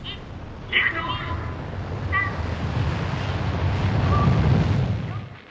「３４５６」。